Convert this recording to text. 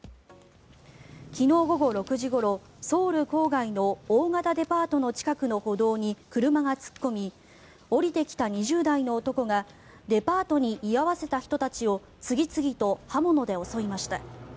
昨日午後６時ごろ、ソウル郊外の大型デパートの近くの歩道に車が突っ込み降りてきた２０代の男がデパートに居合わせた人たちを次々と刃物で襲いました。